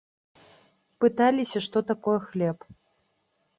Пыталіся, што такое хлеб.